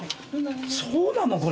そうなのこれ？